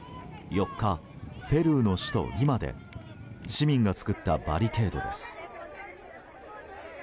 ４日、ペルーの首都リマで市民が作ったバリケードです。